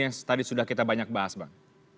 yang tadi sudah kita banyak bahas bang